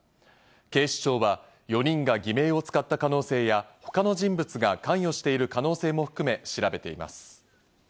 警視庁は４人が偽名を使った可能性や、他の人物が関与している可能性も含め調べています。